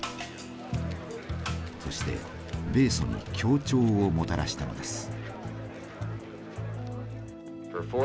そして米ソに協調をもたらしたのです。